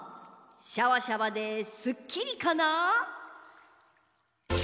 シャワシャワですっきりかな？